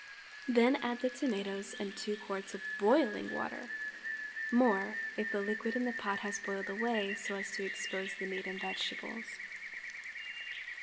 Then add the tomatoes and two quarts of boiling water—more, if the liquid in the pot has boiled away so as to expose the meat and vegetables.